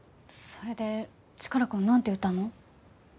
それでチカラくんなんて言ったの？